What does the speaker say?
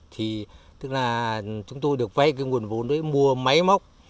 thì tức là chúng tôi được vay cái nguồn vốn đấy mua máy móc